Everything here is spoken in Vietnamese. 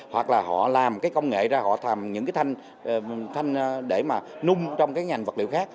hoặc là họ làm cái công nghệ ra họ thàm những cái thanh để mà nung trong cái ngành vật liệu khác